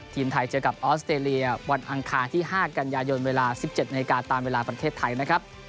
ทีมไทยเจอกับออสเตรเลียวันอังคารที่๕กันยายนเวลา๑๗นาฬิกาตามเวลาประเทศไทยนะครับ